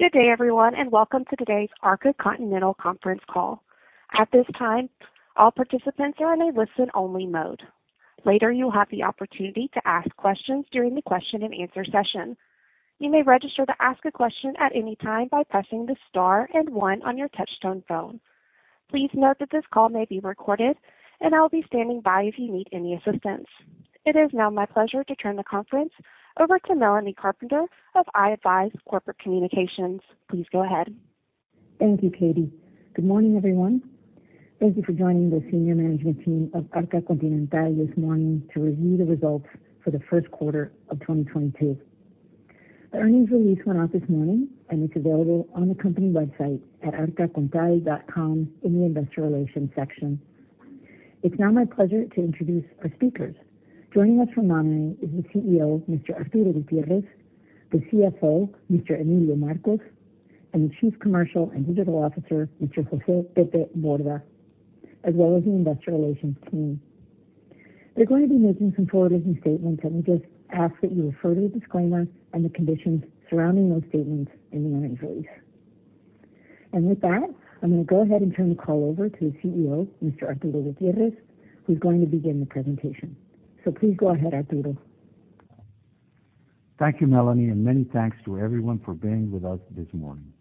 Good day, everyone, and welcome to today's Arca Continental conference call. At this time, all participants are in a listen-only mode. Later, you'll have the opportunity to ask questions during the question-and-answer session. You may register to ask a question at any time by pressing the Star and One on your touchtone phone. Please note that this call may be recorded, and I'll be standing by if you need any assistance. It is now my pleasure to turn the conference over to Melanie Carpenter of i-advise Corporate Communications Thank you, Katie. Good morning, everyone. Thank you for joining the senior management team of Arca Continental this morning to review the results for the first quarter of 2022. The earnings release went out this morning, and it's available on the company website at arcacontinental.com in the investor relations section. It's now my pleasure to introduce our speakers. Joining us from Miami is the CEO, Mr. Arturo Gutiérrez, the CFO, Mr. Emilio Marcos, and the Chief Commercial and Digital Officer, Mr. José Borda Noriega, as well as the investor relations team. They're going to be making some forward-looking statements, and we just ask that you refer to the disclaimer and the conditions surrounding those statements in the earnings release. With that, I'm gonna go ahead and turn the call over to the CEO, Mr. Arturo Gutiérrez, who's going to begin the presentation. Please go ahead, Arturo. Thank you, Melanie, and many thanks to everyone for being with us this morning.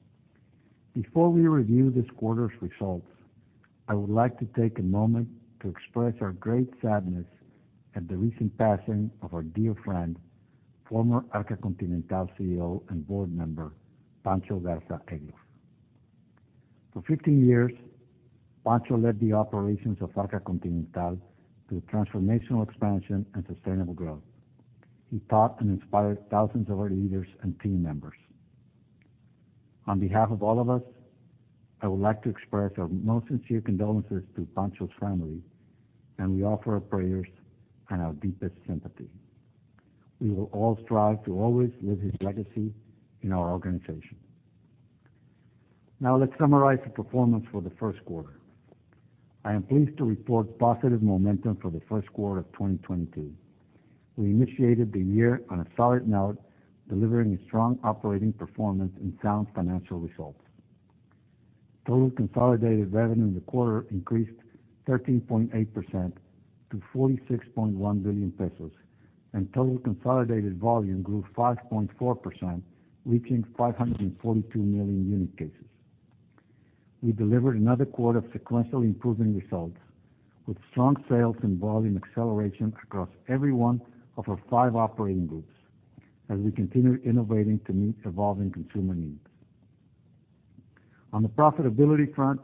Before we review this quarter's results, I would like to take a moment to express our great sadness at the recent passing of our dear friend, former Arca Continental CEO and Board Member, Pancho Garza Egloff. For fifteen years, Pancho led the operations of Arca Continental through transformational expansion and sustainable growth. He taught and inspired thousands of our leaders and team members. On behalf of all of us, I would like to express our most sincere condolences to Pancho's family, and we offer our prayers and our deepest sympathy. We will all strive to always live his legacy in our organization. Now let's summarize the performance for the first quarter. I am pleased to report positive momentum for the first quarter of 2022. We initiated the year on a solid note, delivering a strong operating performance and sound financial results. Total consolidated revenue in the quarter increased 13.8% to 46.1 billion pesos, and total consolidated volume grew 5.4%, reaching 542 million unit cases. We delivered another quarter of sequential improving results with strong sales and volume acceleration across every one of our five operating groups as we continue innovating to meet evolving consumer needs. On the profitability front,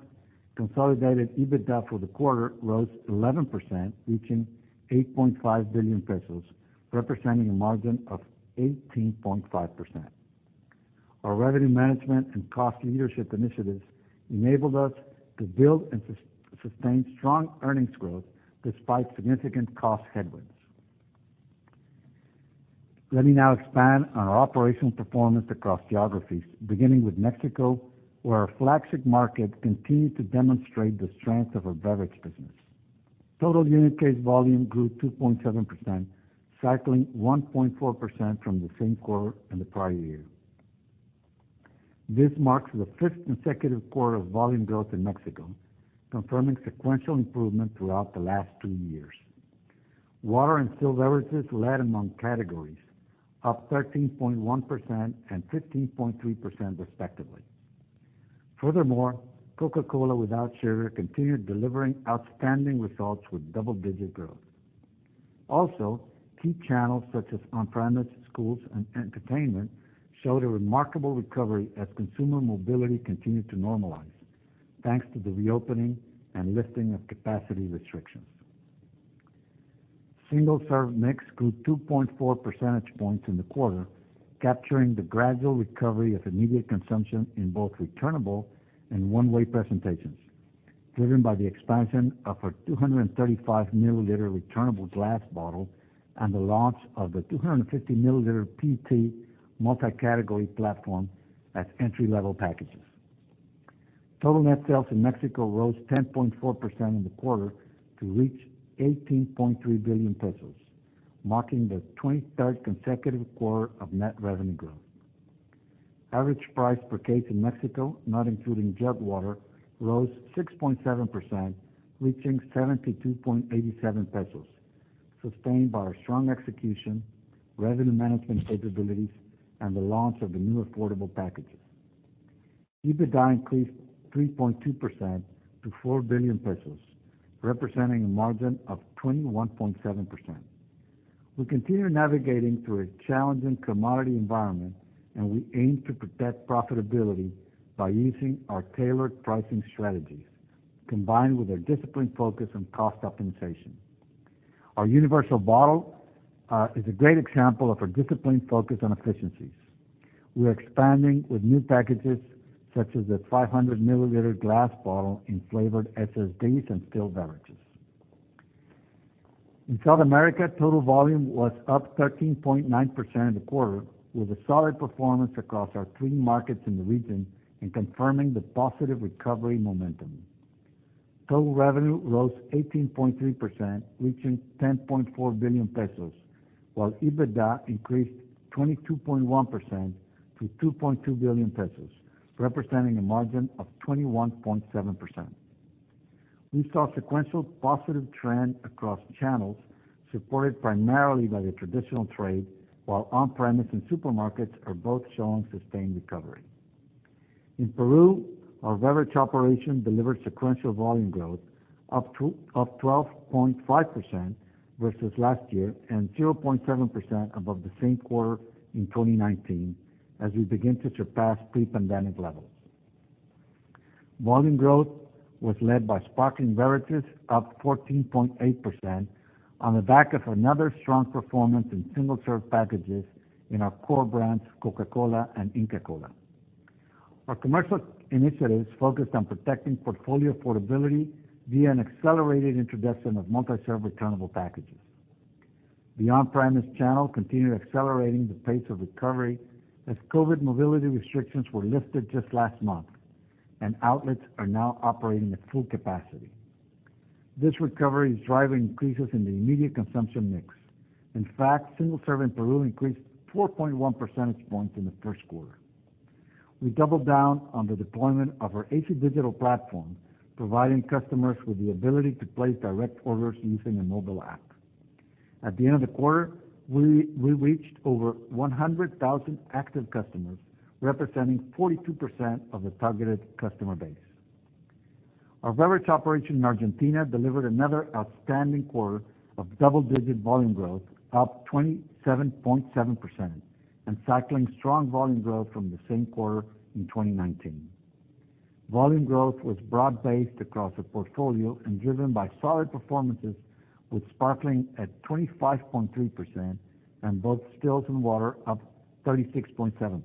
consolidated EBITDA for the quarter rose 11%, reaching 8.5 billion pesos, representing a margin of 18.5%. Our revenue management and cost leadership initiatives enabled us to build and sustain strong earnings growth despite significant cost headwinds. Let me now expand on our operational performance across geographies, beginning with Mexico, where our flagship market continued to demonstrate the strength of our beverage business. Total unit case volume grew 2.7%, cycling 1.4% from the same quarter in the prior year. This marks the fifth consecutive quarter of volume growth in Mexico, confirming sequential improvement throughout the last two years. Water and still beverages led among categories, up 13.1% and 15.3% respectively. Furthermore, Coca-Cola without sugar continued delivering outstanding results with double-digit growth. Also, key channels such as on-premise schools and entertainment showed a remarkable recovery as consumer mobility continued to normalize, thanks to the reopening and lifting of capacity restrictions. Single-serve mix grew 2.4 percentage points in the quarter, capturing the gradual recovery of immediate consumption in both returnable and one-way presentations, driven by the expansion of our 235-milliliter returnable glass bottle and the launch of the 250-milliliter PET multi-category platform as entry-level packages. Total net sales in Mexico rose 10.4% in the quarter to reach 18.3 billion pesos, marking the 23rd consecutive quarter of net revenue growth. Average price per case in Mexico, not including jug water, rose 6.7%, reaching 72.87 pesos, sustained by our strong execution, revenue management capabilities, and the launch of the new affordable packages. EBITDA increased 3.2% to 4 billion pesos, representing a margin of 21.7%. We continue navigating through a challenging commodity environment, and we aim to protect profitability by using our tailored pricing strategies combined with a disciplined focus on cost optimization. Our universal bottle is a great example of our disciplined focus on efficiencies. We're expanding with new packages such as a 500-milliliter glass bottle in flavored SSDs and still beverages. In South America, total volume was up 13.9% in the quarter, with a solid performance across our three markets in the region and confirming the positive recovery momentum. Total revenue rose 18.3%, reaching 10.4 billion pesos, while EBITDA increased 22.1% to 2.2 billion pesos, representing a margin of 21.7%. We saw sequential positive trend across channels, supported primarily by the traditional trade, while on-premise and supermarkets are both showing sustained recovery. In Peru, our beverage operation delivered sequential volume growth of 12.5% versus last year, and 0.7% above the same quarter in 2019, as we begin to surpass pre-pandemic levels. Volume growth was led by sparkling beverages up 14.8% on the back of another strong performance in single-serve packages in our core brands, Coca-Cola and Inca Kola. Our commercial initiatives focused on protecting portfolio affordability via an accelerated introduction of multi-serve returnable packages. The on-premise channel continued accelerating the pace of recovery as COVID mobility restrictions were lifted just last month and outlets are now operating at full capacity. This recovery is driving increases in the immediate consumption mix. In fact, single-serve in Peru increased 4.1 percentage points in the first quarter. We doubled down on the deployment of our AC digital platform, providing customers with the ability to place direct orders using a mobile app. At the end of the quarter, we reached over 100,000 active customers, representing 42% of the targeted customer base. Our beverage operation in Argentina delivered another outstanding quarter of double-digit volume growth, up 27.7% and cycling strong volume growth from the same quarter in 2019. Volume growth was broad-based across the portfolio and driven by solid performances, with sparkling at 25.3% and both stills and water up 36.7%.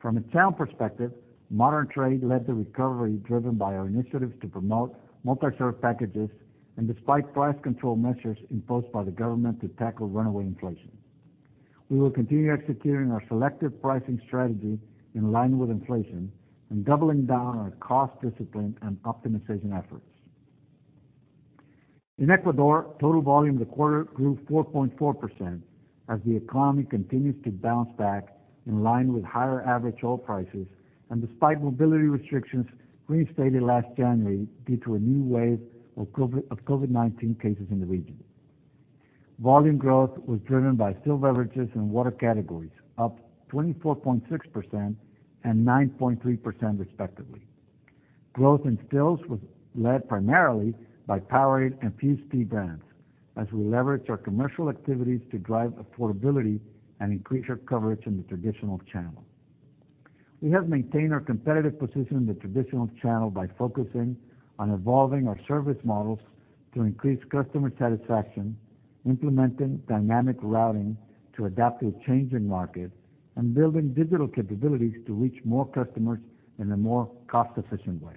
From a town perspective, modern trade led the recovery, driven by our initiatives to promote multi-serve packages and despite price control measures imposed by the government to tackle runaway inflation. We will continue executing our selective pricing strategy in line with inflation and doubling down on our cost discipline and optimization efforts. In Ecuador, total volume in the quarter grew 4.4% as the economy continues to bounce back in line with higher average oil prices and despite mobility restrictions reinstated last January due to a new wave of COVID-19 cases in the region. Volume growth was driven by still beverages and water categories, up 24.6% and 9.3% respectively. Growth in stills was led primarily by Powerade and FUZE Tea brands as we leveraged our commercial activities to drive affordability and increase our coverage in the traditional channel. We have maintained our competitive position in the traditional channel by focusing on evolving our service models to increase customer satisfaction, implementing dynamic routing to adapt to a changing market, and building digital capabilities to reach more customers in a more cost-efficient way.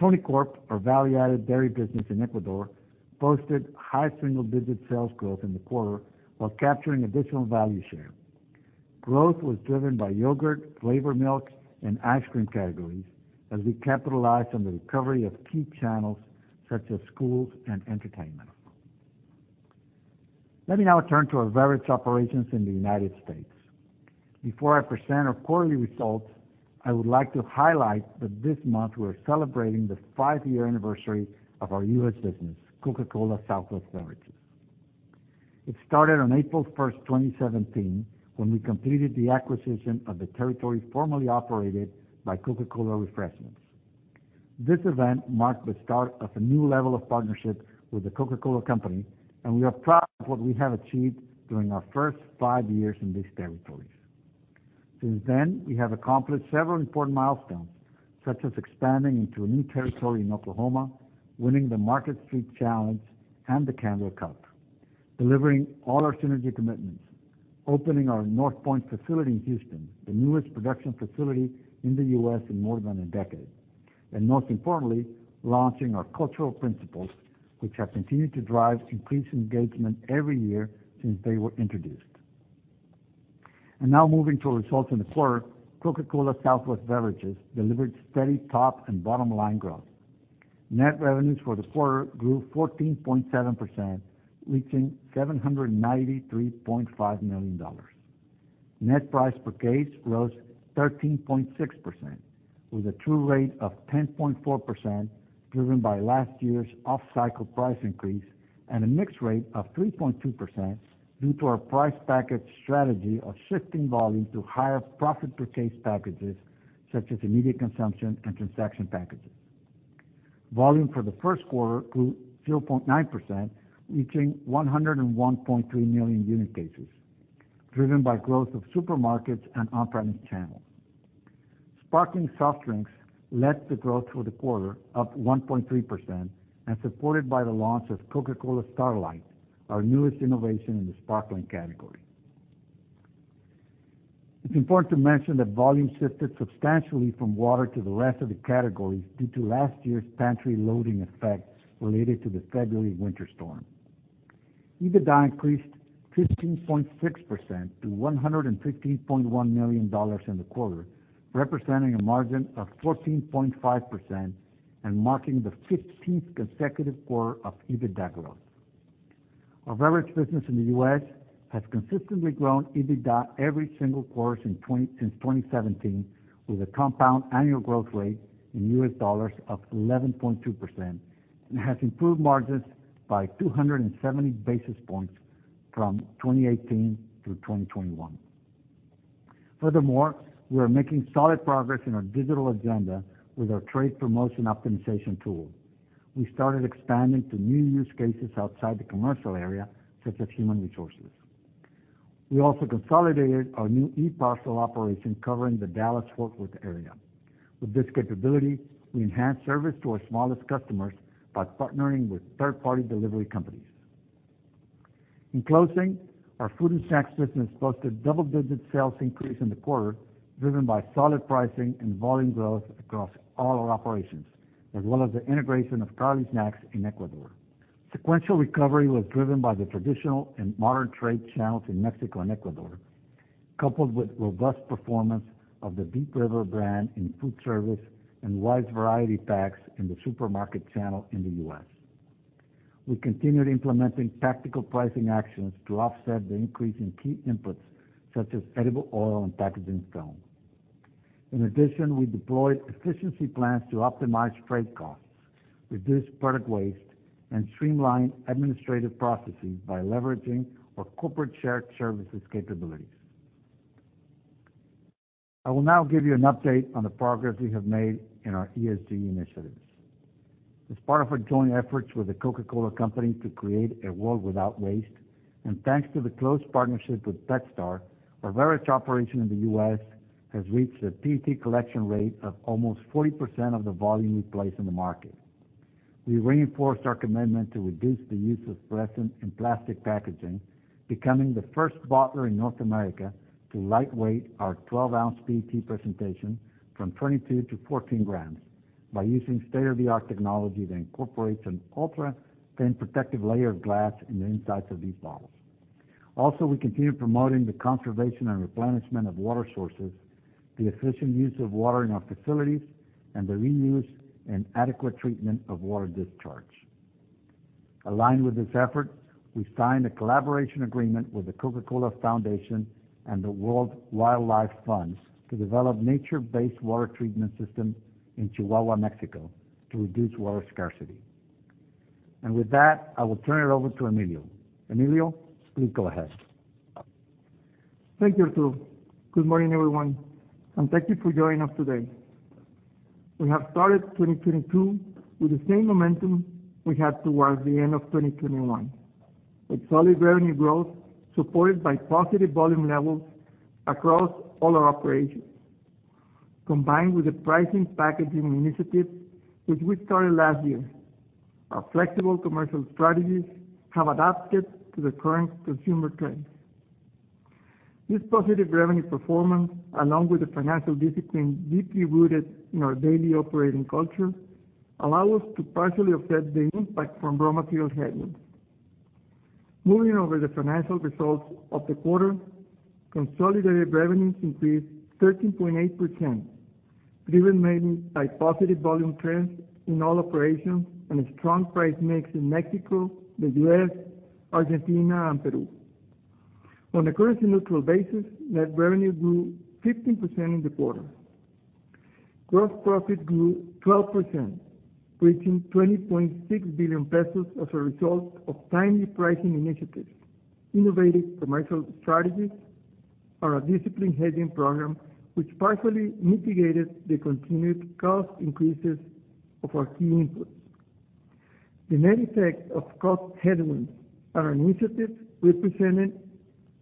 Tonicorp, our value-added dairy business in Ecuador, boasted high single-digit sales growth in the quarter while capturing additional value share. Growth was driven by yogurt, flavored milk, and ice cream categories as we capitalized on the recovery of key channels such as schools and entertainment. Let me now turn to our various operations in the United States. Before I present our quarterly results, I would like to highlight that this month we're celebrating the 5-year anniversary of our U.S. business, Coca-Cola Southwest Beverages. It started on April first, 2017, when we completed the acquisition of the territory formerly operated by Coca-Cola Refreshments. This event marked the start of a new level of partnership with The Coca-Cola Company, and we are proud of what we have achieved during our first 5 years in these territories. Since then, we have accomplished several important milestones, such as expanding into a new territory in Oklahoma, winning the Market Street Challenge and the Candler Cup, delivering all our synergy commitments, opening our North Point facility in Houston, the newest production facility in the U.S. in more than a decade, and most importantly, launching our cultural principles, which have continued to drive increased engagement every year since they were introduced. Now moving to results in the quarter, Coca-Cola Southwest Beverages delivered steady top and bottom line growth. Net revenues for the quarter grew 14.7%, reaching $793.5 million. Net price per case rose 13.6% with a true rate of 10.4%, driven by last year's off-cycle price increase and a mix rate of 3.2% due to our price package strategy of shifting volume to higher profit per case packages such as immediate consumption and transaction packages. Volume for the first quarter grew 0.9%, reaching 101.3 million unit cases, driven by growth of supermarkets and on-premise channels. Sparkling soft drinks led the growth for the quarter, up 1.3% and supported by the launch of Coca-Cola Starlight, our newest innovation in the sparkling category. It's important to mention that volume shifted substantially from water to the rest of the categories due to last year's pantry loading effect related to the February winter storm. EBITDA increased 13.6% to $115.1 million in the quarter, representing a margin of 14.5% and marking the fifteenth consecutive quarter of EBITDA growth. Our beverage business in the US has consistently grown EBITDA every single quarter since 2017, with a compound annual growth rate in US dollars of 11.2%, and has improved margins by 270 basis points from 2018 through 2021. Furthermore, we are making solid progress in our digital agenda with our trade promotion optimization tool. We started expanding to new use cases outside the commercial area, such as human resources. We also consolidated our new e-parcel operation covering the Dallas-Fort Worth area. With this capability, we enhance service to our smallest customers by partnering with third-party delivery companies. In closing, our food and snacks business posted double-digit sales increase in the quarter, driven by solid pricing and volume growth across all our operations, as well as the integration of Cali Snacks in Ecuador. Sequential recovery was driven by the traditional and modern trade channels in Mexico and Ecuador, coupled with robust performance of the Deep River brand in food service and Wise variety packs in the supermarket channel in the U.S. We continued implementing tactical pricing actions to offset the increase in key inputs such as edible oil and packaging film. In addition, we deployed efficiency plans to optimize freight costs, reduce product waste, and streamline administrative processes by leveraging our corporate shared services capabilities. I will now give you an update on the progress we have made in our ESG initiatives. As part of our joint efforts with the Coca-Cola Company to create a world without waste, and thanks to the close partnership with PetStar, our various operations in the U.S. has reached a PET collection rate of almost 40% of the volume we place in the market. We reinforced our commitment to reduce the use of plastic in plastic packaging, becoming the first bottler in North America to lightweight our 12-ounce PET presentation from 22-14 grams by using state-of-the-art technology that incorporates an ultra-thin protective layer of glass in the insides of these bottles. Also, we continue promoting the conservation and replenishment of water sources, the efficient use of water in our facilities, and the reuse and adequate treatment of water discharge. Aligned with this effort, we signed a collaboration agreement with The Coca-Cola Foundation and the World Wildlife Fund to develop nature-based water treatment system in Chihuahua, Mexico, to reduce water scarcity. With that, I will turn it over to Emilio. Emilio, please go ahead. Thank you, Arturo. Good morning, everyone, and thank you for joining us today. We have started 2022 with the same momentum we had towards the end of 2021, with solid revenue growth supported by positive volume levels across all our operations. Combined with the pricing packaging initiative, which we started last year, our flexible commercial strategies have adapted to the current consumer trends. This positive revenue performance, along with the financial discipline deeply rooted in our daily operating culture, allow us to partially offset the impact from raw material headwinds. Moving over the financial results of the quarter, consolidated revenues increased 13.8%, driven mainly by positive volume trends in all operations and a strong price mix in Mexico, the U.S., Argentina, and Peru. On a currency neutral basis, net revenue grew 15% in the quarter. Gross profit grew 12%, reaching 20.6 billion pesos as a result of timely pricing initiatives, innovative commercial strategies, our disciplined hedging program, which partially mitigated the continued cost increases of our key inputs. The net effect of cost headwinds and initiatives represented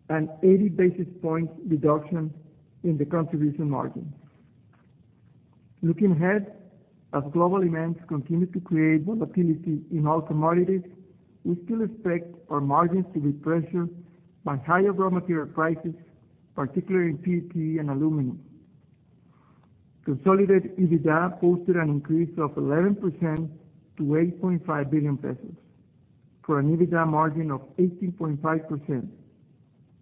an 80 basis points reduction in the contribution margin. Looking ahead, as global events continue to create volatility in all commodities, we still expect our margins to be pressured by higher raw material prices, particularly in PET and aluminum. Consolidated EBITDA posted an increase of 11% to 8.5 billion pesos for an EBITDA margin of 18.5%,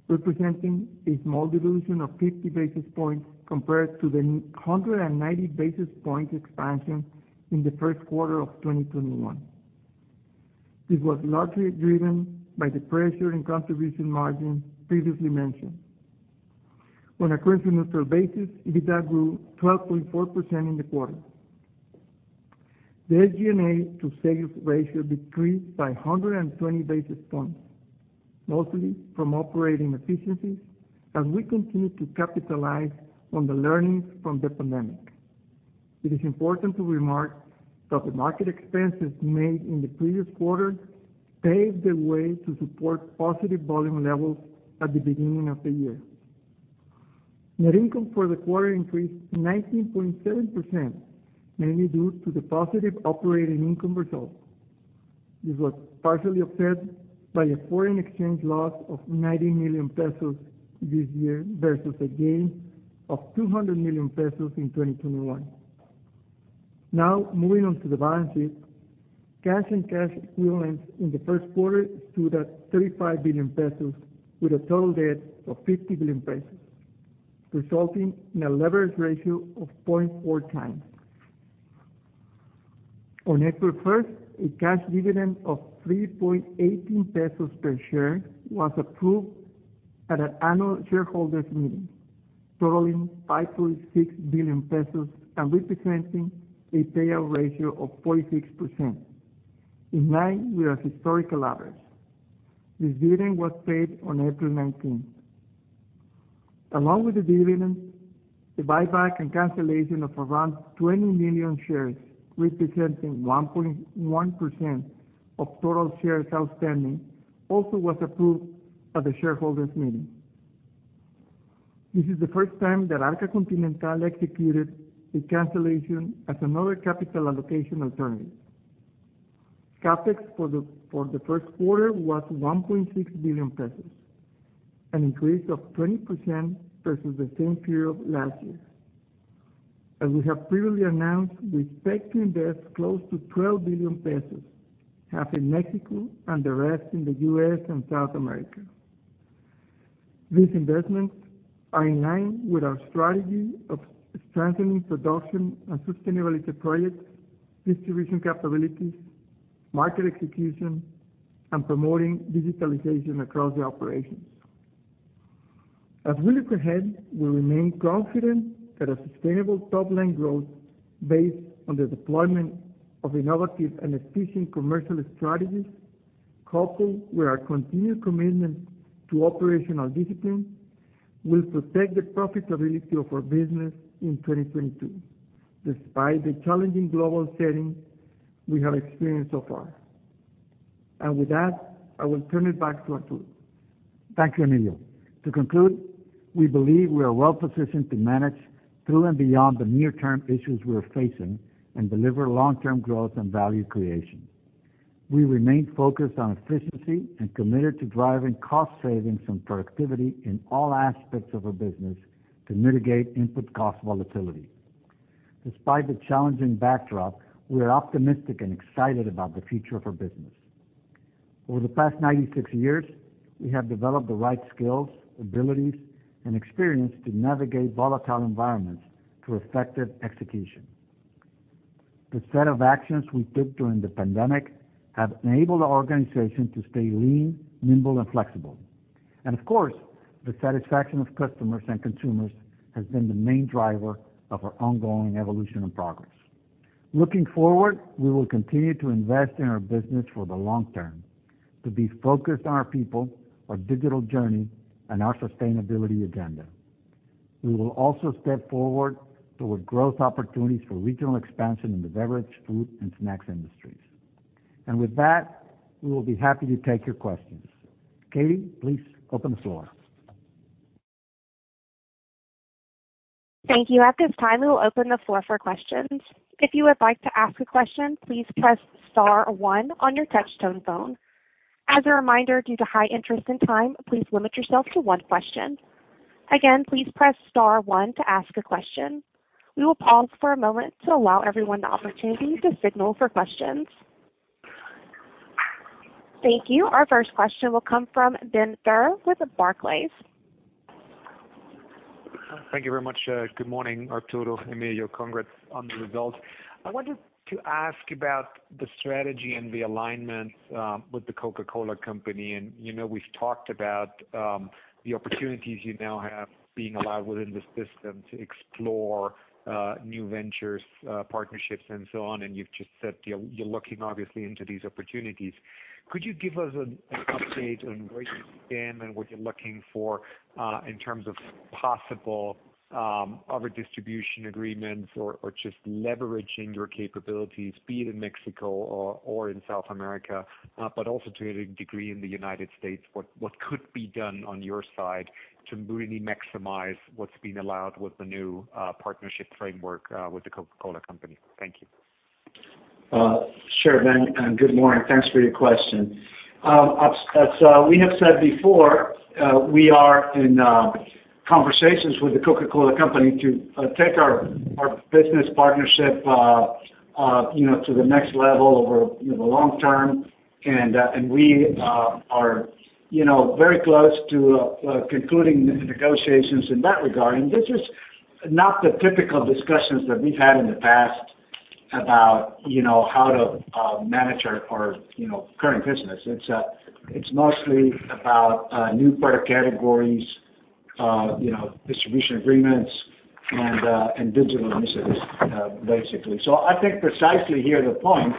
representing a small dilution of 50 basis points compared to the 190 basis points expansion in the first quarter of 2021. This was largely driven by the pressure on contribution margin previously mentioned. On a currency neutral basis, EBITDA grew 12.4% in the quarter. The SG&A to sales ratio decreased by 120 basis points, mostly from operating efficiencies as we continue to capitalize on the learnings from the pandemic. It is important to remark that the market expenses made in the previous quarter paved the way to support positive volume levels at the beginning of the year. Net income for the quarter increased 19.7%, mainly due to the positive operating income result. This was partially offset by a foreign exchange loss of 90 million pesos this year, versus a gain of 200 million pesos in 2021. Now moving on to the balance sheet. Cash and cash equivalents in the first quarter stood at 35 billion pesos, with a total debt of 50 billion pesos, resulting in a leverage ratio of 0.4x. On April first, a cash dividend of 3.18 pesos per share was approved at our annual shareholders meeting, totaling 5.6 billion pesos and representing a payout ratio of 46%, in line with our historical average. This dividend was paid on April ninteen. Along with the dividend, the buyback and cancellation of around 20 million shares, representing 1.1% of total shares outstanding, also was approved at the shareholders meeting. This is the first time that Arca Continental executed a cancellation as another capital allocation alternative. CapEx for the first quarter was 1.6 billion pesos, an increase of 20% versus the same period last year. As we have previously announced, we expect to invest close to 12 billion pesos, half in Mexico and the rest in the US and South America. These investments are in line with our strategy of strengthening production and sustainability projects, distribution capabilities, market execution, and promoting digitalization across the operations. As we look ahead, we remain confident that a sustainable top-line growth based on the deployment of innovative and efficient commercial strategies, coupled with our continued commitment to operational discipline, will protect the profitability of our business in 2022 despite the challenging global setting we have experienced so far. With that, I will turn it back to Arturo. Thank you, Emilio. To conclude, we believe we are well positioned to manage through and beyond the near-term issues we are facing and deliver long-term growth and value creation. We remain focused on efficiency and committed to driving cost savings and productivity in all aspects of our business to mitigate input cost volatility. Despite the challenging backdrop, we are optimistic and excited about the future of our business. Over the past 96 years, we have developed the right skills, abilities, and experience to navigate volatile environments through effective execution. The set of actions we took during the pandemic have enabled our organization to stay lean, nimble, and flexible. Of course, the satisfaction of customers and consumers has been the main driver of our ongoing evolution and progress. Looking forward, we will continue to invest in our business for the long term, to be focused on our people, our digital journey, and our sustainability agenda. We will also step forward toward growth opportunities for regional expansion in the beverage, food, and snacks industries. With that, we will be happy to take your questions. Katie, please open the floor. Thank you. At this time, we will open the floor for questions. If you would like to ask a question, please press star one on your touchtone phone. As a reminder, due to high interest and time, please limit yourself to one question. Again, please press star one to ask a question. We will pause for a moment to allow everyone the opportunity to signal for questions. Thank you. Our first question will come from Benjamin Theurer with Barclays. Thank you very much. Good morning, Arturo Gutiérrez, Emilio Marcos. Congrats on the results. I wanted to ask about the strategy and the alignment with The Coca-Cola Company. You know, we've talked about the opportunities you now have being allowed within the system to explore new ventures, partnerships and so on, and you've just said you're looking obviously into these opportunities. Could you give us an update on where you stand and what you're looking for in terms of possible other distribution agreements or just leveraging your capabilities, be it in Mexico or in South America, but also to a degree in the United States? What could be done on your side to really maximize what's been allowed with the new partnership framework with The Coca-Cola Company? Thank you. Sure, Ben, good morning. Thanks for your question. As we have said before, we are in conversations with The Coca-Cola Company to take our business partnership, you know, to the next level over, you know, the long term. We are, you know, very close to concluding negotiations in that regard. This is not the typical discussions that we've had in the past about, you know, how to manage our, you know, current business. It's mostly about new product categories, you know, distribution agreements and digital initiatives, basically. I think precisely here the point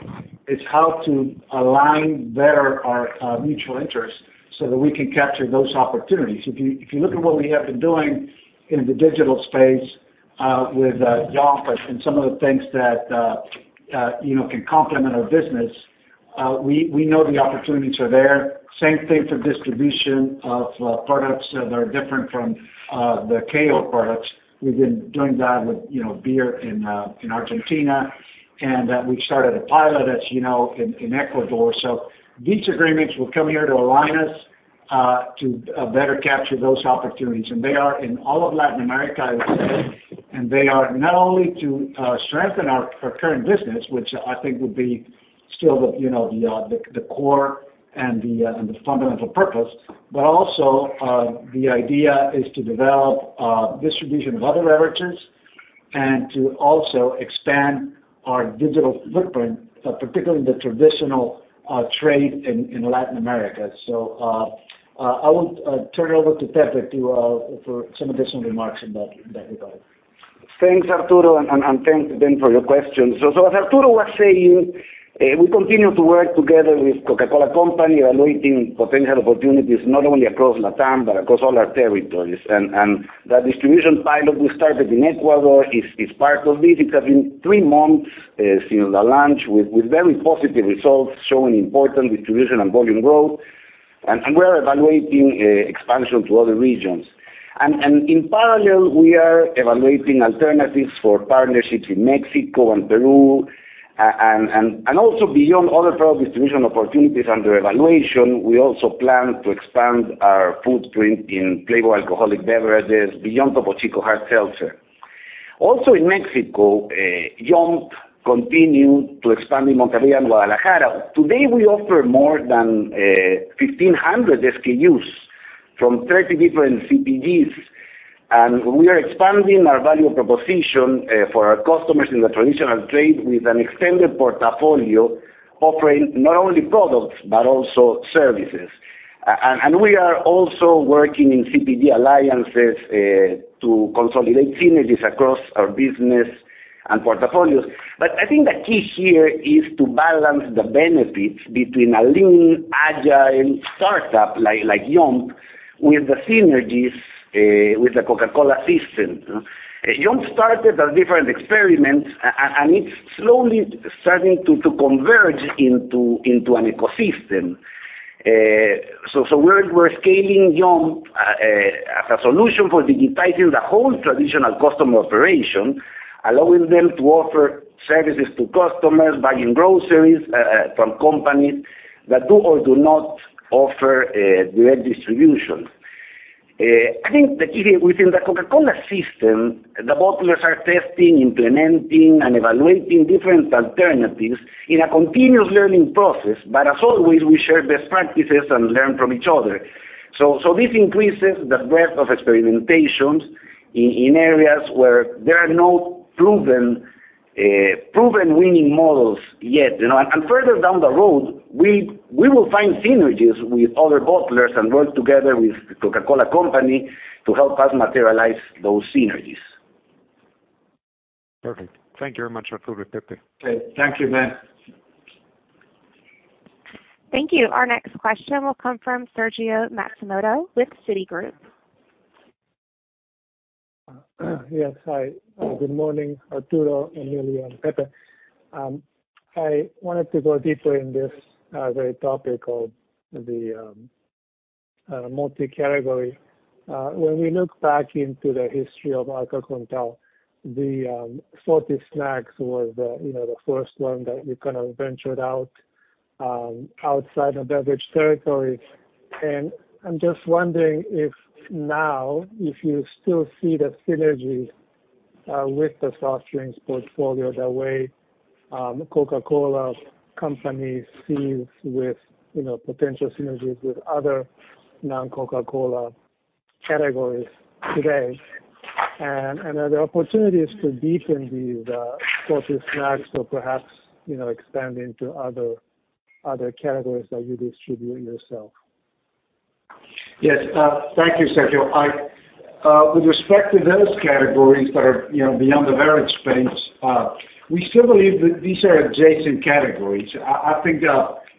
is how to align better our mutual interests so that we can capture those opportunities. If you look at what we have been doing in the digital space with Yomp and some of the things that you know can complement our business, we know the opportunities are there. Same thing for distribution of products that are different from the KO products. We've been doing that with beer in Argentina, and we've started a pilot, as you know, in Ecuador. These agreements will come here to align us to better capture those opportunities. They are in all of Latin America, I would say. They are not only to strengthen our current business, which I think will be still the you know the core and the fundamental purpose. The idea is to develop distribution of other beverages and to also expand our digital footprint, particularly the traditional trade in Latin America. I would turn it over to Pepe for some additional remarks in that regard. Thanks, Arturo, and thanks, Ben, for your question. As Arturo was saying, we continue to work together with The Coca-Cola Company, evaluating potential opportunities not only across LatAm, but across all our territories. That distribution pilot we started in Ecuador is part of this. It has been three months since the launch with very positive results, showing important distribution and volume growth. We're evaluating expansion to other regions. In parallel, we are evaluating alternatives for partnerships in Mexico and Peru. Also beyond other product distribution opportunities under evaluation, we also plan to expand our footprint in flavored alcoholic beverages beyond Topo Chico Hard Seltzer. Also, in Mexico, Yomp continued to expand in Monterrey and Guadalajara. Today, we offer more than 1,500 SKUs from 30 different CPGs, and we are expanding our value proposition for our customers in the traditional trade with an extended portfolio offering not only products, but also services. We are also working in CPG alliances to consolidate synergies across our business and portfolios. I think the key here is to balance the benefits between a lean, agile startup like Yomp with the synergies with the Coca-Cola system. Yomp started a different experiment and it's slowly starting to converge into an ecosystem. We're scaling Yomp as a solution for digitizing the whole traditional customer operation, allowing them to offer services to customers, buying groceries from companies that do or do not offer direct distribution. I think that even within the Coca-Cola system, the bottlers are testing, implementing, and evaluating different alternatives in a continuous learning process. As always, we share best practices and learn from each other. This increases the breadth of experimentations in areas where there are no proven winning models yet, you know? Further down the road, we will find synergies with other bottlers and work together with the Coca-Cola Company to help us materialize those synergies. Perfect. Thank you very much, Arturo, Pepe. Okay, thank you, Ben. Thank you. Our next question will come from Sergio Matsumoto with Citigroup. Yes, hi. Good morning, Arturo Gutiérrez, Emilio Marcos, and Pepe. I wanted to go deeper in this very topic of the multi-category. When we look back into the history of Arca Continental, salty snacks was the first one that you kind of ventured out outside of beverage territory. I'm just wondering if now, if you still see the synergies with the soft drinks portfolio, the way Coca-Cola Company sees with potential synergies with other non-Coca-Cola categories today. Are there opportunities to deepen these salty snacks or perhaps expand into other categories that you distribute yourself? Yes. Thank you, Sergio. With respect to those categories that are, you know, beyond the beverage space, we still believe that these are adjacent categories. I think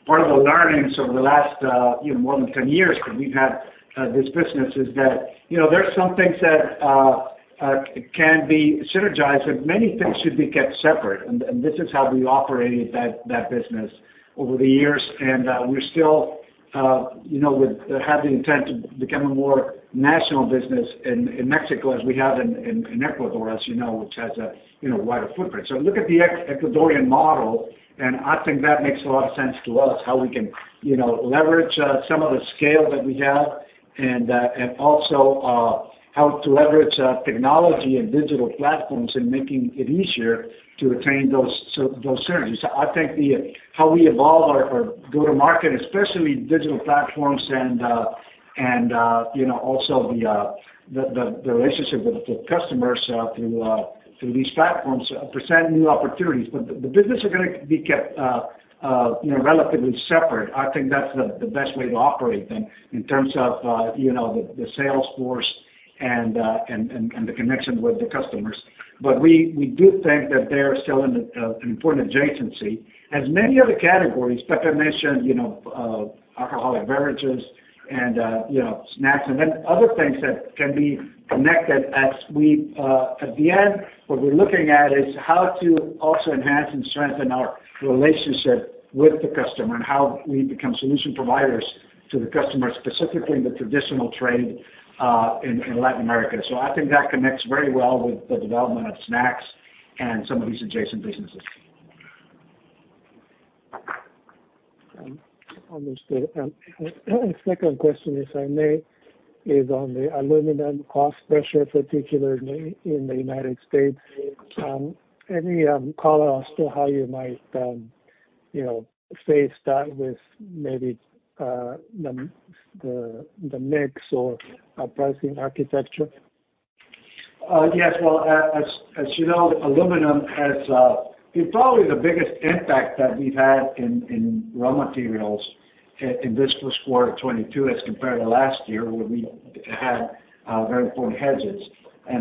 part of the learnings over the last, you know, more than ten years that we've had this business is that, you know, there are some things that can be synergized, and many things should be kept separate. This is how we operated that business over the years. We're still, you know, have the intent to become a more national business in Mexico as we have in Ecuador, as you know, which has a, you know, wider footprint. Look at the Ecuadorian model, and I think that makes a lot of sense to us, how we can, you know, leverage some of the scale that we have and also how to leverage technology and digital platforms in making it easier to attain those synergies. I think how we evolve our go-to-market, especially digital platforms and, you know, also the relationship with the customers through these platforms present new opportunities. The business are gonna be kept, you know, relatively separate. I think that's the best way to operate them in terms of, you know, the sales force and the connection with the customers. We do think that they are still an important adjacency, as many other categories. Pepe mentioned, you know, alcoholic beverages and, you know, snacks and then other things that can be connected as we. At the end, what we're looking at is how to also enhance and strengthen our relationship with the customer and how we become solution providers to the customer, specifically in the traditional trade, in Latin America. I think that connects very well with the development of snacks and some of these adjacent businesses. Understood. Second question, if I may, is on the aluminum cost pressure, particularly in the United States. Any color as to how you might, you know, face that with maybe the mix or pricing architecture? Yes. Well, as you know, aluminum has been probably the biggest impact that we've had in raw materials in this first quarter of 2022 as compared to last year, where we had very important hedges.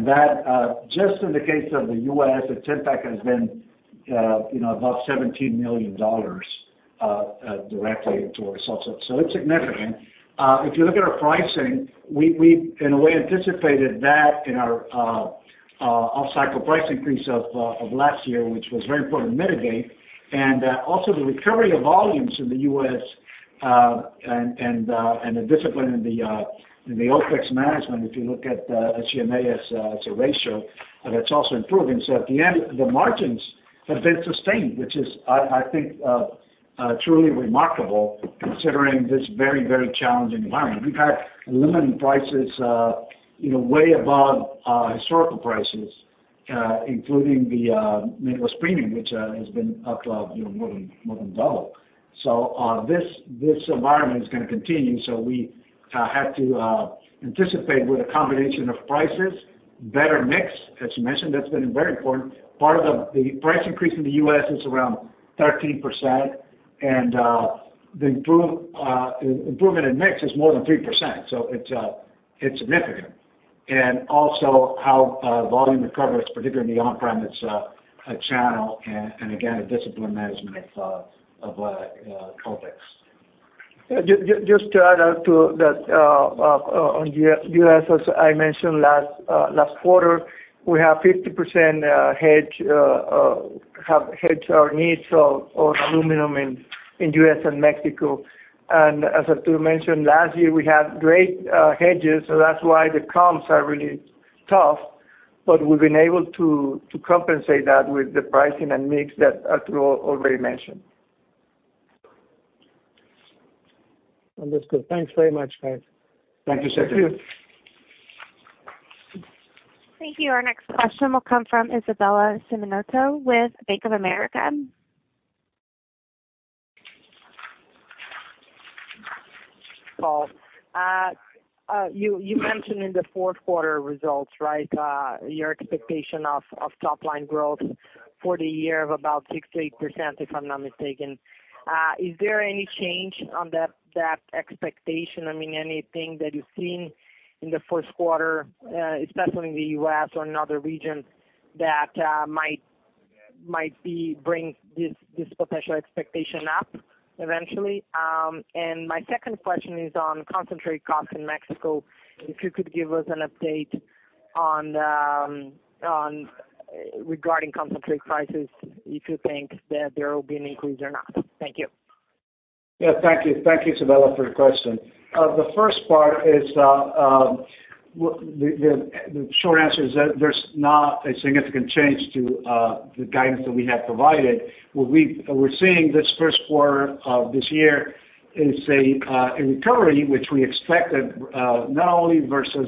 That, just in the case of the U.S., its impact has been, you know, about $17 million directly to our results. It's significant. If you look at our pricing, we in a way anticipated that in our off-cycle price increase of last year, which was very important to mitigate. Also the recovery of volumes in the U.S. and the discipline in the OpEx management, if you look at G&A as a ratio, that's also improving. At the end, the margins have been sustained, which is, I think, truly remarkable considering this very challenging environment. We've had aluminum prices, you know, way above historical prices, including the metals premium, which has been up above, you know, more than double. This environment is gonna continue, so we have to anticipate with a combination of prices, better mix, as you mentioned, that's been very important. Part of the price increase in the US is around 13%. The improvement in mix is more than 3%, so it's significant. Also how volume recovery is, particularly in the on-premise channel and again, a disciplined management of OpEx. Just to add on to that, on U.S., as I mentioned last quarter, we have 50% hedged our needs of aluminum in U.S. and Mexico. As Arturo mentioned, last year we had great hedges, so that's why the comps are really tough. We've been able to compensate that with the pricing and mix that Arturo already mentioned. Understood. Thanks very much, guys. Thank you, Sergio. Thank you. Thank you. Our next question will come from Isabella Simonato with Bank of America. Paul, you mentioned in the fourth quarter results, right? Your expectation of top line growth for the year of about 6%-8%, if I'm not mistaken. Is there any change on that expectation? I mean, anything that you've seen in the first quarter, especially in the U.S. or in other regions that might bring this potential expectation up eventually? My second question is on concentrate costs in Mexico. If you could give us an update regarding concentrate prices, if you think that there will be an increase or not. Thank you. Yeah, thank you. Thank you, Isabella, for your question. The first part is the short answer is that there's not a significant change to the guidance that we have provided. We're seeing this first quarter of this year is a recovery which we expected, not only versus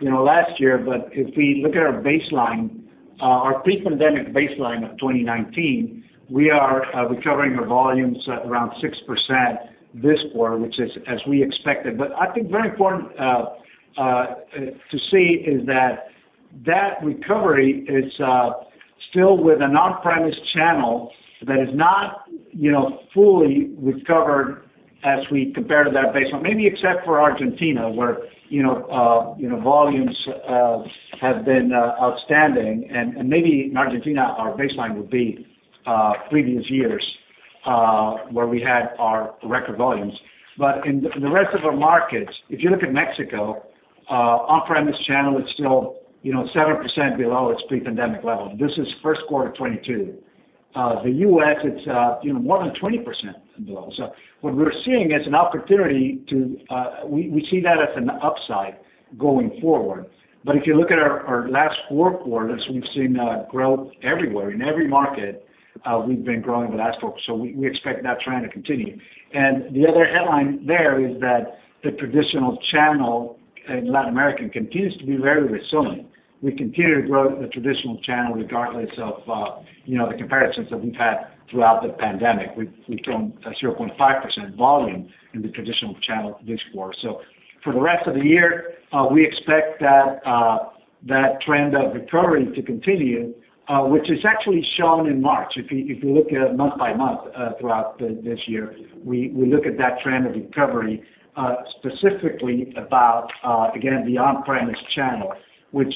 you know, last year, but if we look at our baseline, our pre-pandemic baseline of 2019, we are recovering our volumes at around 6% this quarter, which is as we expected. I think very important to see is that that recovery is still with an on-premise channel that is not you know, fully recovered as we compare to that baseline. Maybe except for Argentina, where you know, volumes have been outstanding. Maybe in Argentina, our baseline would be previous years where we had our record volumes. In the rest of our markets, if you look at Mexico, on-premise channel is still, you know, 7% below its pre-pandemic level. This is first quarter 2022. The US, it's, you know, more than 20% below. What we're seeing is an opportunity. We see that as an upside going forward. If you look at our last four quarters, we've seen growth everywhere. In every market, we've been growing the last quarter. We expect that trend to continue. The other headline there is that the traditional channel in Latin America continues to be very resilient. We continue to grow the traditional channel regardless of, you know, the comparisons that we've had throughout the pandemic. We've grown 0.5% volume in the traditional channel this quarter. For the rest of the year, we expect that that trend of recovery to continue, which is actually shown in March. If you look at it month by month, throughout this year, we look at that trend of recovery, specifically about, again, the on-premise channel, which,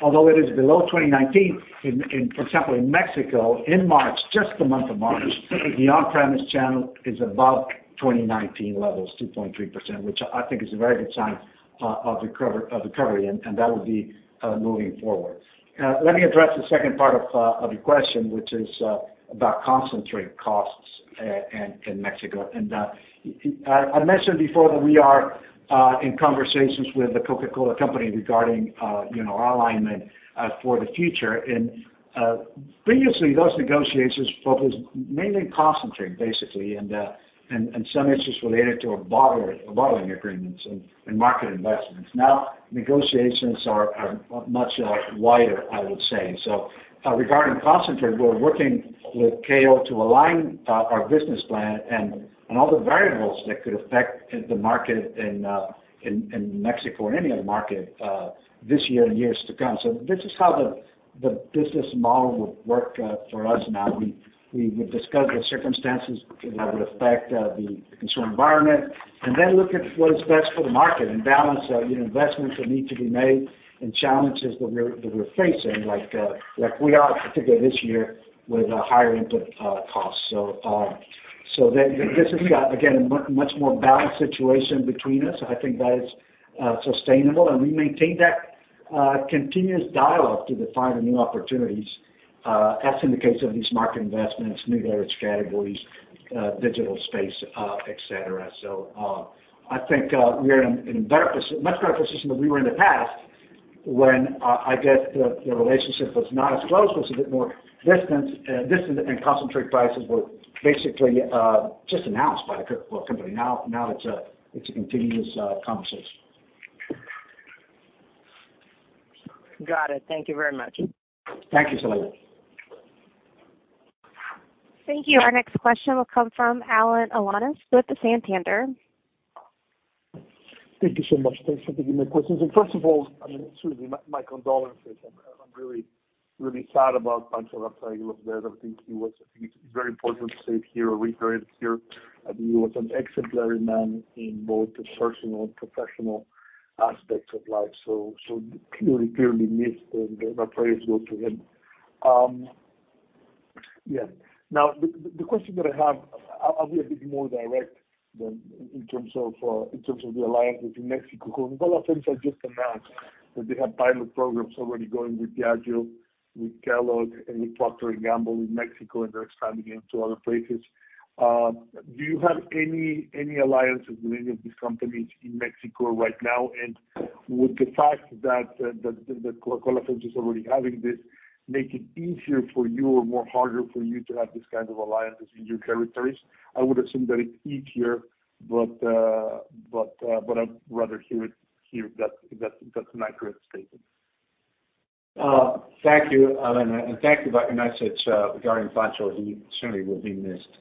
although it is below 2019, in, for example, in Mexico, in March, just the month of March, the on-premise channel is above 2019 levels, 2.3%, which I think is a very good sign of recovery, and that will be moving forward. Let me address the second part of your question, which is about concentrate costs in Mexico. I mentioned before that we are in conversations with The Coca-Cola Company regarding, you know, our alignment for the future. Previously, those negotiations focused mainly concentrate, basically, and some issues related to our bottling agreements and market investments. Now, negotiations are much wider, I would say. Regarding concentrate, we're working with KO to align our business plan and all the variables that could affect the market in Mexico or any other market this year and years to come. This is how the business model would work for us now. We would discuss the circumstances that would affect the consumer environment, and then look at what is best for the market and balance you know investments that need to be made and challenges that we're facing, like we are particularly this year with higher input costs. Then this has got, again, a much more balanced situation between us. I think that is sustainable, and we maintain that continuous dialogue to define the new opportunities, as in the case of these market investments, new beverage categories, digital space, etc. I think we are in a much better position than we were in the past when I guess the relationship was not as close, was a bit more distant, and concentrate prices were basically just announced by the company. Now it's a continuous conversation. Got it. Thank you very much. Thank you, Selina. Thank you. Our next question will come from Alan Alanis with Santander. Thank you so much. Thanks for taking my questions. First of all, I mean, truly my condolences. I'm really sad about Pancho Garza Egloff, his death. I think it's very important to say it here or reiterate it here that he was an exemplary man in both the personal and professional aspects of life. Clearly missed and my prayers go to him. Now the question that I have, I'll be a bit more direct in terms of the alliances in Mexico, because Coca-Cola FEMSA just announced that they have pilot programs already going with Diageo, with Kellogg Company, and with Procter & Gamble in Mexico, and they're expanding into other places. Do you have any alliances with any of these companies in Mexico right now? Would the fact that Coca-Cola FEMSA is already having this make it easier for you or more harder for you to have these kinds of alliances in your territories? I would assume that it's easier, but I'd rather hear that from Arturo's statement. Thank you, Alan, and thank you about your message regarding Pancho. He certainly will be missed.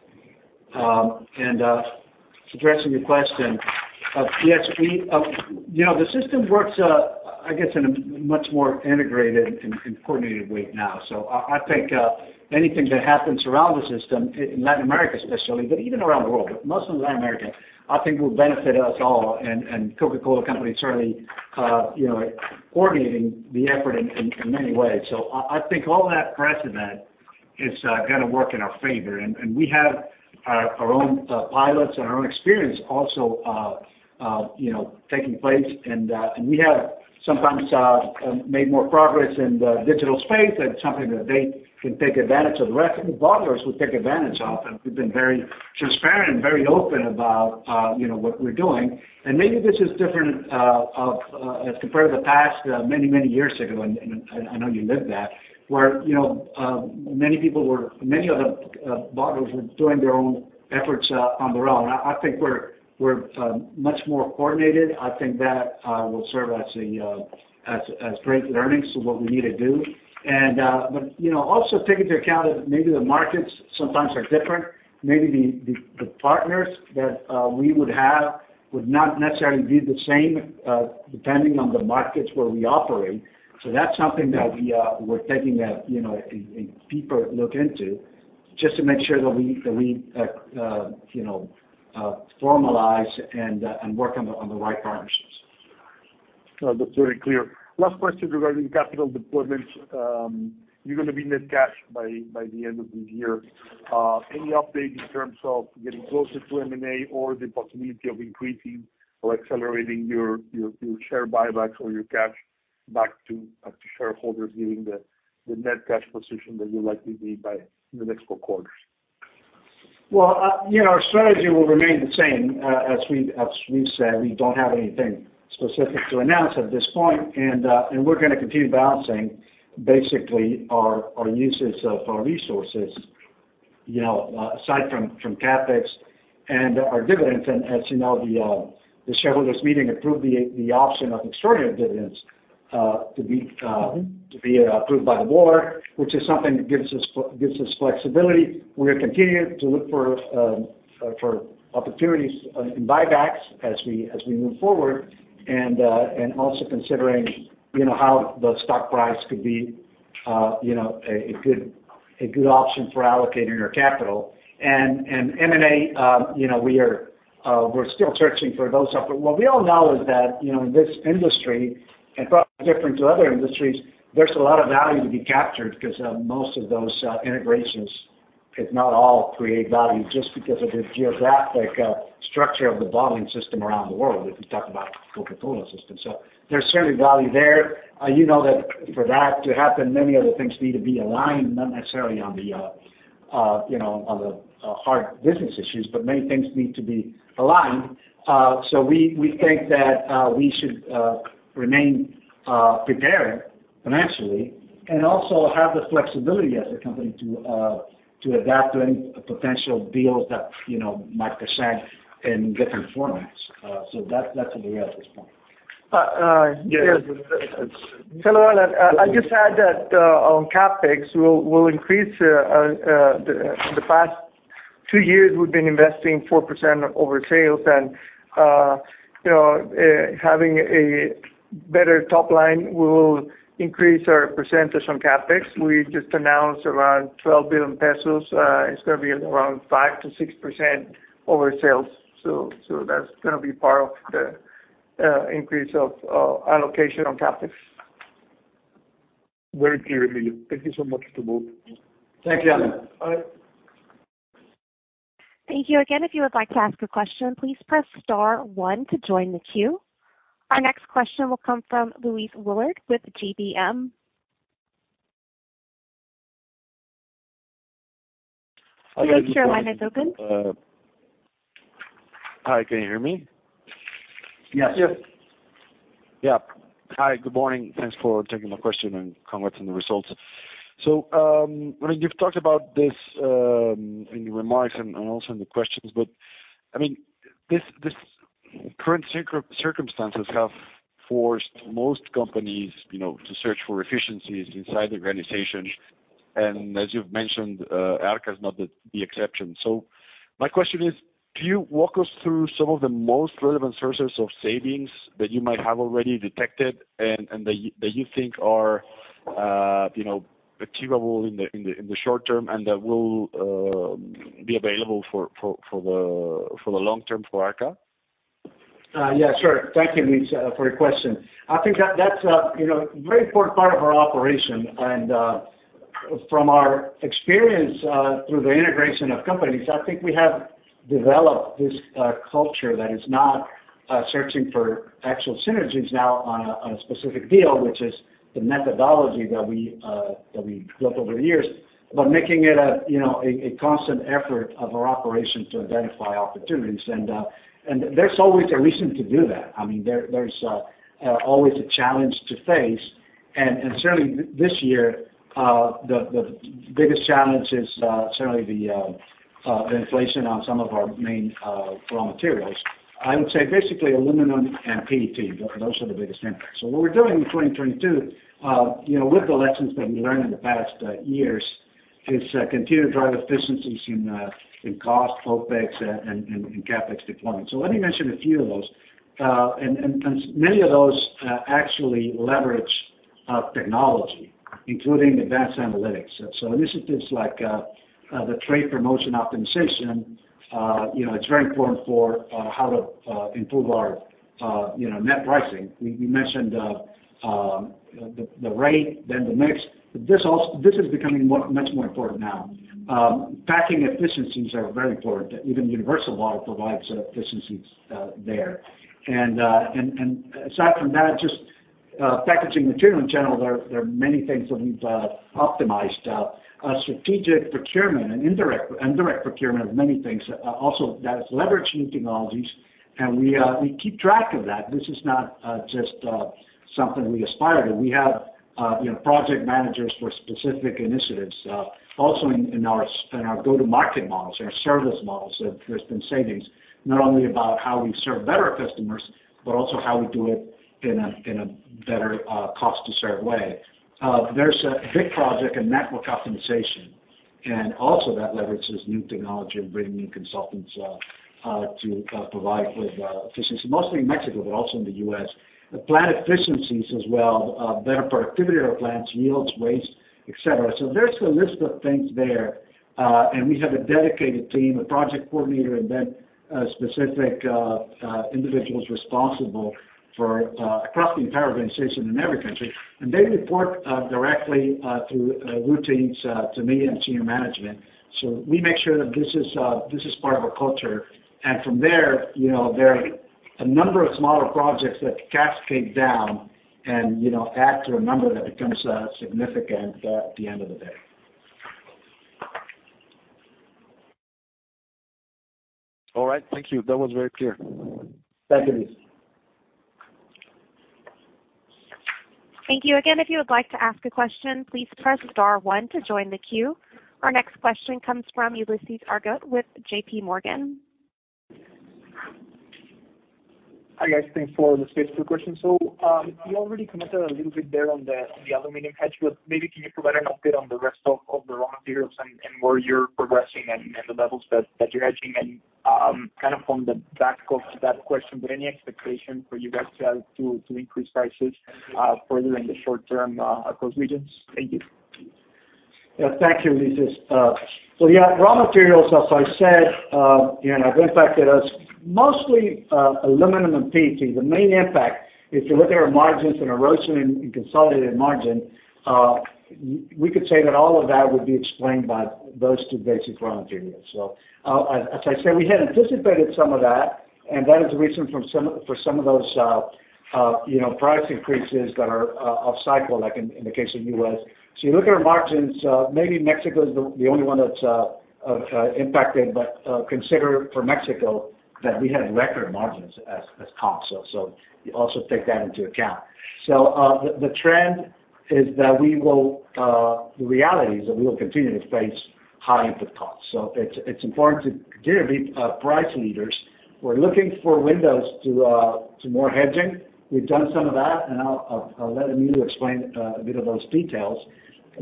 Addressing your question, yes, we, you know, the system works, I guess, in a much more integrated and coordinated way now. I think anything that happens around the system in Latin America especially, but even around the world, but mostly in Latin America, I think will benefit us all. The Coca-Cola Company certainly, you know, coordinating the effort in many ways. I think all that precedent is gonna work in our favor. We have our own pilots and our own experience also, you know, taking place. We have sometimes made more progress in the digital space. That's something that they can take advantage of, the rest of the bottlers will take advantage of. We've been very transparent and very open about, you know, what we're doing. Maybe this is different as compared to the past many years ago, and I know you lived that, where, you know, many of the bottlers were doing their own efforts on their own. I think we're much more coordinated. I think that will serve as a great learning, so what we need to do. You know, also take into account that maybe the markets sometimes are different. Maybe the partners that we would have would not necessarily be the same depending on the markets where we operate. That's something that we're taking a you know a deeper look into just to make sure that we formalize and work on the right partnerships. No, that's very clear. Last question regarding capital deployments. You're gonna be net cash by the end of this year. Any update in terms of getting closer to M&A or the possibility of increasing or accelerating your share buybacks or your cash back to shareholders given the net cash position that you'll likely be in in the next four quarters? Well, you know, our strategy will remain the same. As we've said, we don't have anything specific to announce at this point. We're gonna continue balancing basically our uses of our resources, you know, aside from CapEx and our dividends. As you know, the shareholders meeting approved the option of extraordinary dividends to be approved by the board, which is something that gives us flexibility. We're gonna continue to look for opportunities in buybacks as we move forward. Also considering, you know, how the stock price could be, you know, a good option for allocating our capital. M&A, you know, we're still searching for those opportunities. What we all know is that, you know, in this industry, and probably different to other industries, there's a lot of value to be captured because most of those integrations, if not all, create value just because of the geographic structure of the bottling system around the world, if we talk about Coca-Cola system. There's certainly value there. You know that for that to happen, many other things need to be aligned, not necessarily on the, you know, on the hard business issues, but many things need to be aligned. We think that we should remain prepared financially and also have the flexibility as a company to adapt to any potential deals that you know might present in different formats. That's where we are at this point. Uh, uh, yeah- Hello, Alan. I'll just add that on CapEx, we'll increase the past two years we've been investing 4% over sales. You know, having a better top line will increase our percentage on CapEx. We just announced around 12 billion pesos. It's gonna be around 5%-6% over sales. That's gonna be part of the increase of allocation on CapEx. Very clear, Emilio. Thank you so much to both. Thank you, Alan. All right. Thank you. Again, if you would like to ask a question, please press star one to join the queue. Our next question will come from Luis Willard with GBM. Mr. Willard, your line is open. Hi, can you hear me? Yes. Yeah. Hi, good morning. Thanks for taking my question, and congrats on the results. I mean, you've talked about this in your remarks and also in the questions. I mean, this current circumstances have forced most companies, you know, to search for efficiencies inside the organization. As you've mentioned, Arca's not the exception. My question is, can you walk us through some of the most relevant sources of savings that you might have already detected and that you think are, you know, achievable in the short term, and that will be available for the long term for Arca? Yeah, sure. Thank you, Luis, for your question. I think that that's a you know very important part of our operation. From our experience, through the integration of companies, I think we have developed this culture that is not searching for actual synergies now on a specific deal, which is the methodology that we built over the years, but making it a you know constant effort of our operations to identify opportunities. There's always a reason to do that. I mean, there's always a challenge to face. Certainly this year, the biggest challenge is certainly the inflation on some of our main raw materials. I would say basically aluminum and PET. Those are the biggest impacts. What we're doing in 2022, you know, with the lessons that we learned in the past years, is continue to drive efficiencies in cost, OpEx, and CapEx deployment. Let me mention a few of those. Many of those actually leverage technology, including advanced analytics. Initiatives like the trade promotion optimization, you know, it's very important for how to improve our, you know, net pricing. We mentioned the rate and the mix. This is becoming much more important now. Packaging efficiencies are very important. Even universal bottle provides efficiencies there. Aside from that, just packaging material in general, there are many things that we've optimized. Strategic procurement and indirect and direct procurement of many things, also that is leveraging technologies and we keep track of that. This is not just something we aspire to. We have, you know, project managers for specific initiatives. Also in our go-to-market models, in our service models, there's been savings not only about how we serve better customers, but also how we do it in a better cost to serve way. There's a big project in network optimization, and also that leverages new technology and bringing in consultants to provide with efficiency, mostly in Mexico, but also in the US. Plant efficiencies as well, better productivity of our plants, yields, waste, et cetera. There's a list of things there. We have a dedicated team, a project coordinator, and then specific individuals responsible for across the entire organization in every country. They report directly through routines to me and senior management. We make sure that this is part of our culture. From there, you know, there are a number of smaller projects that cascade down and, you know, add to a number that becomes significant at the end of the day. All right. Thank you. That was very clear. Thank you, Luis. Thank you. Again, if you would like to ask a question, please press star one to join the queue. Our next question comes from Ulises Argote with J.P. Morgan. Hi guys. Thanks for the space for questions. You already commented a little bit there on the aluminum hedge, but maybe can you provide an update on the rest of the raw materials and where you're progressing and the levels that you're hedging? Kind of on the back of that question, but any expectation for you guys to increase prices further in the short term across regions? Thank you. Yeah, thank you, Ulises. Raw materials, as I said, you know, have impacted us mostly, aluminum and PET. The main impact, if you look at our margins and erosion in consolidated margin, we could say that all of that would be explained by those two basic raw materials. As I said, we had anticipated some of that, and that is the reason from some for some of those, you know, price increases that are off cycle, like in the case of U.S. You look at our margins, maybe Mexico is the only one that's impacted. Consider for Mexico that we had record margins as comps. You also take that into account. The reality is that we will continue to face high input costs. It's important to continue to be price leaders. We're looking for windows to more hedging. We've done some of that, and I'll let Emilio explain a bit of those details.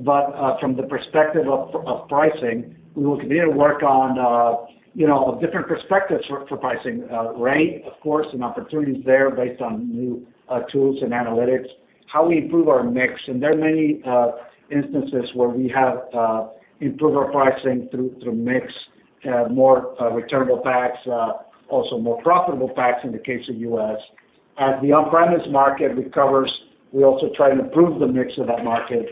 From the perspective of pricing, we will continue to work on you know different perspectives for pricing rate of course and opportunities there based on new tools and analytics how we improve our mix. There are many instances where we have improved our pricing through mix, more returnable packs, also more profitable packs in the case of U.S. As the on-premise market recovers, we also try to improve the mix of that market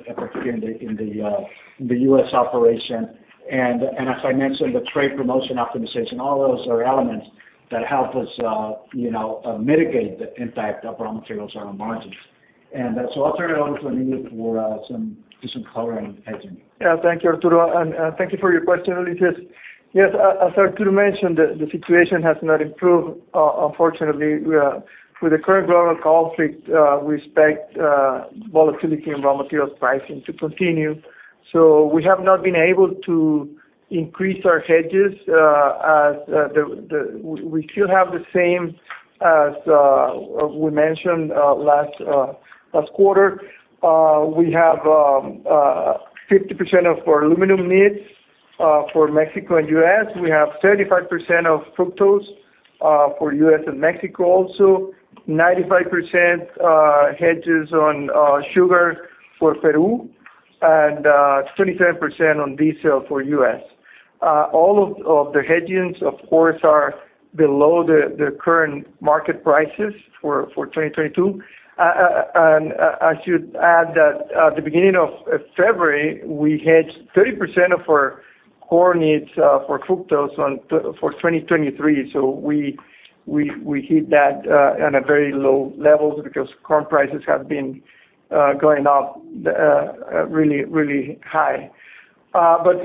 in the U.S. operation. As I mentioned, the trade promotion optimization, all those are elements that help us, you know, mitigate the impact of raw materials on our margins. I'll turn it over to Emilio for some color on hedging. Yeah. Thank you, Arturo, and thank you for your question, Ulises. Yes, as Arturo mentioned, the situation has not improved, unfortunately. With the current global conflict, we expect volatility in raw material pricing to continue. We have not been able to increase our hedges. We still have the same as we mentioned last quarter. We have 50% of our aluminum needs for Mexico and U.S. We have 35% of fructose for U.S. and Mexico also. 95% hedges on sugar for Peru, and 27% on diesel for U.S. All of the hedgings, of course, are below the current market prices for 2022. I should add that at the beginning of February, we hedged 30% of our core needs for fructose for 2023. We hit that at very low levels because corn prices have been going up really high.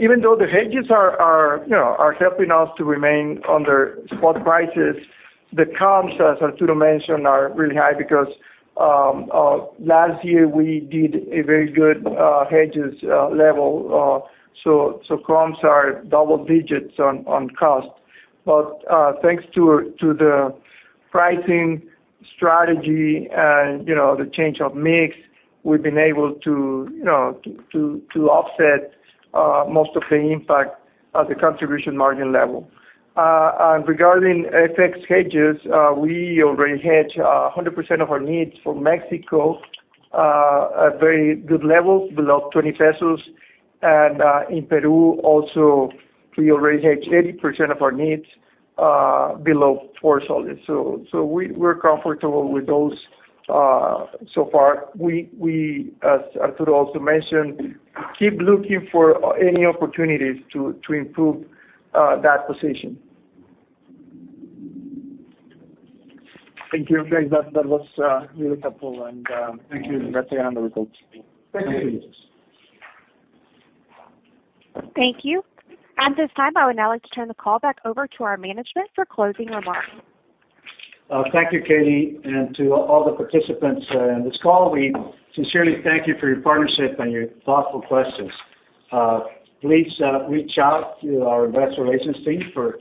Even though the hedges are, you know, helping us to remain under spot prices, the comps, as Arturo mentioned, are really high because last year we did a very good hedge level. Comps are double digits on cost. Thanks to the pricing strategy and, you know, the change of mix, we've been able to, you know, offset most of the impact at the contribution margin level. Regarding FX hedges, we already hedge 100% of our needs for Mexico at very good levels below 20 pesos. In Peru also, we already hedge 80% of our needs below PEN 4. We're comfortable with those so far. We, as Arturo also mentioned, keep looking for any opportunities to improve that position. Thank you. Great. That was really helpful, and Thank you. Back to you on the records. Thank you. Thank you. Thank you. At this time, I would now like to turn the call back over to our management for closing remarks. Thank you, Katie. To all the participants in this call, we sincerely thank you for your partnership and your thoughtful questions. Please reach out to our investor relations team for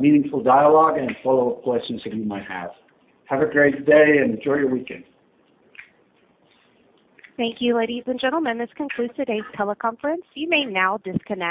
meaningful dialogue and follow-up questions that you might have. Have a great day and enjoy your weekend. Thank you, ladies and gentlemen. This concludes today's teleconference. You may now disconnect.